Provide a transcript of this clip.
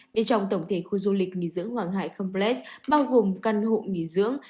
bên trong tổng thể khu du lịch nghỉ dưỡng hoàng hải complet bao gồm căn hộ nghỉ dưỡng